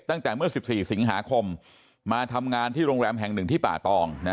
ตั้งแต่เมื่อ๑๔สิงหาคมมาทำงานที่โรงแรมแห่งหนึ่งที่ป่าตอง